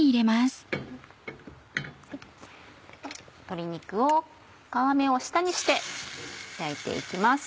鶏肉を皮目を下にして焼いて行きます。